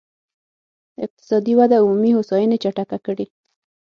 اقتصادي وده عمومي هوساينې چټکه کړي.